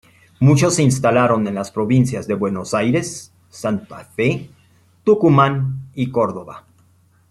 Muchos se instalaron en las provincias de Buenos Aires, Santa Fe, Tucumán y Córdoba.